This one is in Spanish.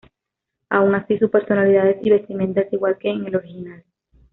Aun así, sus personalidades y vestimenta es igual que en la original.